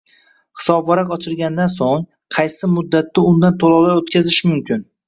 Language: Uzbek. Hisobvaraq ochilganidan so‘ng, qaysi muddatda undan to‘lovlar o‘tkazish mumkin?